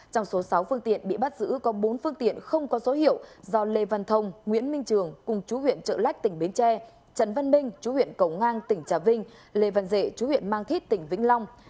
trong số sáu phương tiện bị bắt giữ có bốn phương tiện không có số hiệu do lê văn thông nguyễn minh trường cùng chú huyện trợ lách tỉnh bến tre trần văn minh chú huyện cầu ngang tỉnh trà vinh lê văn dệ chú huyện mang thít tỉnh vĩnh long